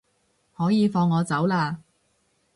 可以放我走喇